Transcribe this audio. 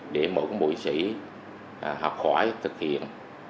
để mỗi các bộ chiến sĩ học hỏi thực hiện